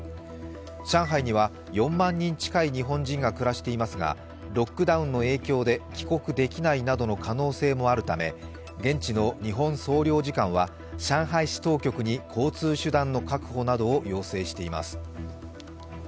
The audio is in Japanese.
上海には４万人近い日本人が暮らしていますがロックダウンの影響で帰国できないなどの可能性もあるため現地の日本総領事館は上海市当局に交通手段の確保などを要請しています。